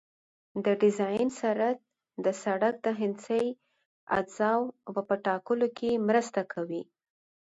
د ډیزاین سرعت د سرک د هندسي اجزاوو په ټاکلو کې مرسته کوي